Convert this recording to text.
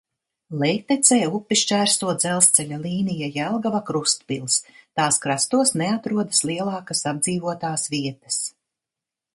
Lejtecē upi šķērso dzelzceļa līnija Jelgava–Krustpils, tās krastos neatrodas lielākas apdzīvotās vietas.